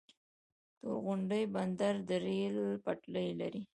تورغونډۍ بندر د ریل پټلۍ لري؟